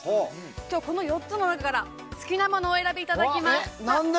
今日はこの４つの中から好きなものをお選びいただきます。